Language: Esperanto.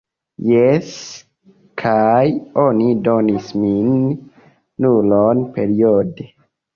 Jes, kaj oni donis min nulon periode